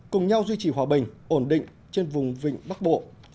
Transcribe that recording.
cùng nhau duy trì hòa bình ổn định trên vùng vịnh bắc bộ